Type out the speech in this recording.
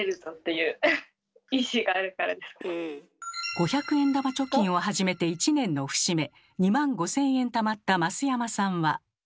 ５００円玉貯金を始めて１年の節目２万５，０００円たまったマスヤマさんは。